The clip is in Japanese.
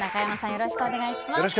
よろしくお願いします。